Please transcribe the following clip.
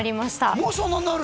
もうそんなになる？